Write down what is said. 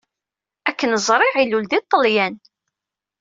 Akken ẓriɣ, ilul di Ṭṭelyan.